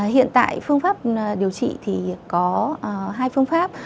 hiện tại phương pháp điều trị thì có hai phương pháp